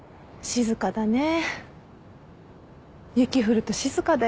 静かだねー！